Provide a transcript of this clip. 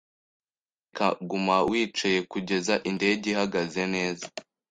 Nyamuneka guma wicaye kugeza indege ihagaze neza.